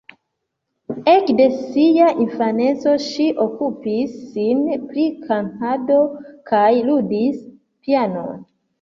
Ekde sia infaneco ŝi okupis sin pri kantado kaj ludis pianon.